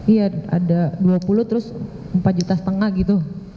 iya ada dua puluh terus empat juta setengah gitu